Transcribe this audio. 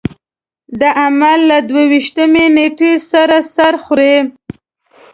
د حمل له دوه ویشتمې نېټې سره سر خوړ.